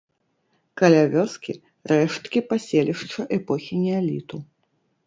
Каля вёскі рэшткі паселішча эпохі неаліту.